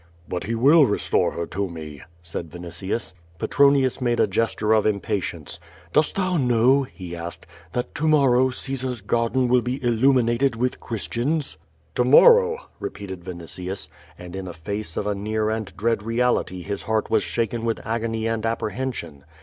"But He will restore her to me," said Yinitius. Petronius made a gesture of impatience. "Dost thou know," he asked, "that to morrow Caesar's garden will be illuminated with Christians?" "To morrow!" re])eated Yinitius; and in face of a near and dread reality his heart was shaken with agony and apprehension.